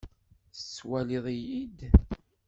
Tettwaliḍ-iyi-d?